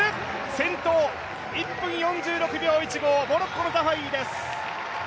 先頭、１分４６秒１５モロッコのザハフィです。